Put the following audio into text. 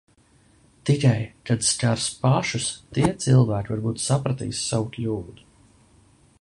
Tikai, kad skars pašus, tie cilvēki varbūt sapratīs savu kļūdu.